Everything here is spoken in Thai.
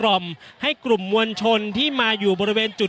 อย่างที่บอกไปว่าเรายังยึดในเรื่องของข้อ